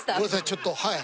ちょっとはい。